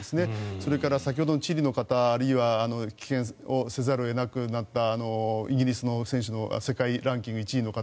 それから、先ほどのチリの方あるいは棄権をせざるを得なくなったイギリスの世界ランキング１位の方。